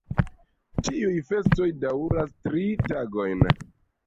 Tiuj festoj daŭras tri tagojn.